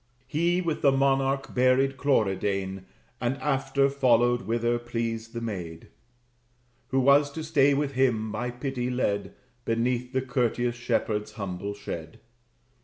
He, with the monarch, buried Cloridane, And after followed whither pleased the maid. Who was to stay with him, by pity led, Beneath the courteous shepherd's humble shed.